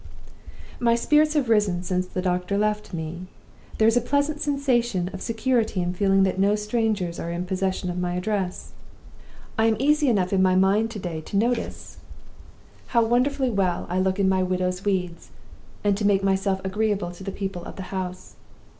"My spirits have risen since the doctor left me. There is a pleasant sensation of security in feeling that no strangers are in possession of my address. I am easy enough in my mind to day to notice how wonderfully well I look in my widow's weeds, and to make myself agreeable to the people of the house.